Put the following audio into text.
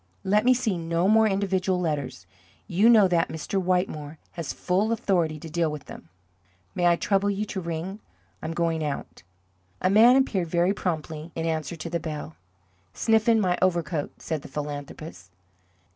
Let me see no more individual letters. You know that Mr. Whittemore has full authority to deal with them. May I trouble you to ring? I am going out." A man appeared very promptly in answer to the bell. "Sniffen, my overcoat," said the philanthropist.